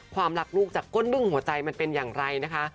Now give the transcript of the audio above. ความรักลูกจากก้นบึ้งหัวใจมันเป็นอย่างไรนะคะ